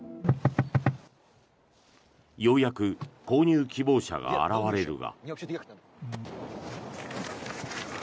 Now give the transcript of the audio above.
ようやく購入希望者が現れるが。